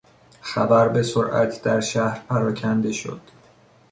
خبر به سرعت در شهر پراکنده شد.